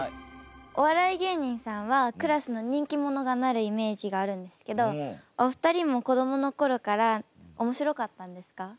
お笑い芸人さんはクラスの人気者がなるイメージがあるんですけどお二人も子どもの頃から面白かったんですか？